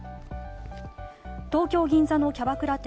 東京・銀座のキャバクラ店